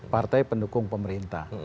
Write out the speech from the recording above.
partai pendukung pemerintah